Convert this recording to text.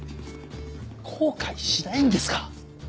後悔しないんですか？